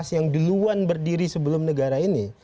sampai hari ini belum ada